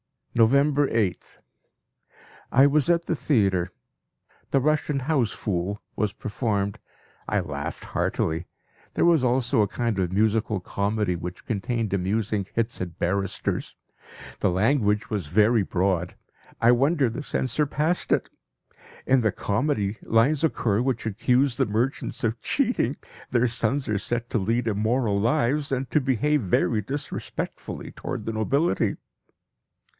November 8th. I was at the theatre. "The Russian House Fool" was performed. I laughed heartily. There was also a kind of musical comedy which contained amusing hits at barristers. The language was very broad; I wonder the censor passed it. In the comedy lines occur which accuse the merchants of cheating; their sons are said to lead immoral lives, and to behave very disrespectfully towards the nobility.